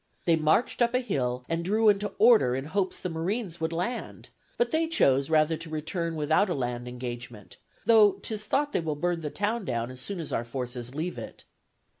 They marched up a hill, and drew into order in hopes the marines would land; but they chose rather to return without a land engagement, though 'tis thought they will burn the town down as soon as our forces leave it.